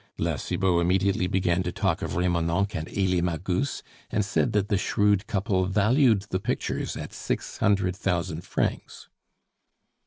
La Cibot immediately began to talk of Remonencq and Elie Magus, and said that the shrewd couple valued the pictures at six hundred thousand francs.